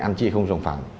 ăn chia không trồng phẳng